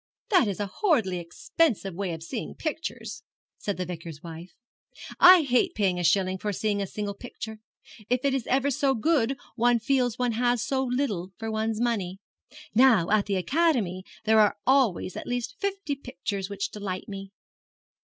'That is a horridly expensive way of seeing pictures,' said the Vicar's wife; 'I hate paying a shilling for seeing a single picture. If it is ever so good one feels one has had so little for one's money. Now at the Academy there are always at least fifty pictures which delight me.'